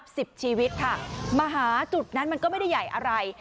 สิบชีวิตค่ะมาหาจุดนั้นมันก็ไม่ได้ใหญ่อะไร